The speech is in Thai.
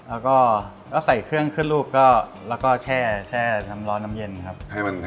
แล้วก็ใส่เครื่องขึ้นรูปก็แล้วก็แช่น้ำร้อนน้ำเย็นครับ